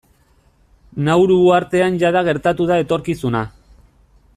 Nauru uhartean jada gertatu da etorkizuna.